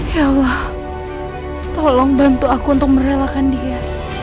ya allah tolong bantu aku untuk merelakan dia